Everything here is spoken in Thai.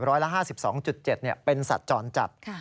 ร้อยละ๕๒๗เป็นสัตว์จรจัด